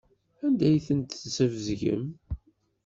Anda ay ten-tesbezgem?